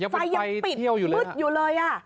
ไฟยังปิดมืดอยู่เลย